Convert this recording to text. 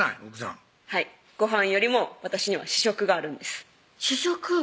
はいごはんよりも私には主食があるんです主食？